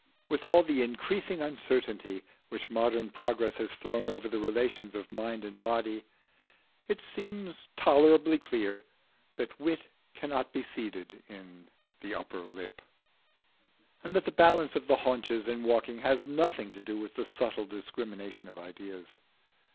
With all the increasing uncertainty which modern progress has thrown over the relations of mind and body, it seems tolerably clear that wit cannot be seated in the upper lip, and that the balance of the haunches in walking has nothing to do with the subtle discrimination of ideas.